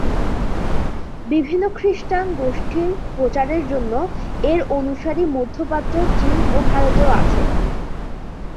বিভিন্ন খ্রিস্টান গোষ্ঠীর প্রচারের জন্য এর অনুসারী মধ্যপ্রাচ্য, চীন ও ভারতেও আছে।